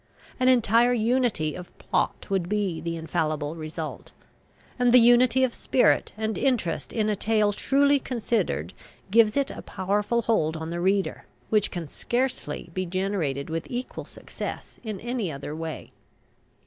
An entire unity of plot would be the infallible result; and the unity of spirit and interest in a tale truly considered gives it a powerful hold on the reader, which can scarcely be generated with equal success in any other way.